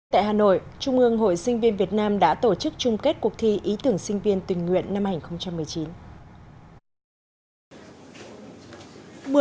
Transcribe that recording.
tại hà nội trung ương hội sinh viên việt nam đã tổ chức chung kết cuộc thi ý tưởng sinh viên tình nguyện năm hai nghìn một mươi chín